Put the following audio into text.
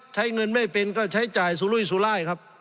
ใช้เงินไม่เป็นก็ใช้จ่ายสุรุยสุรายครับ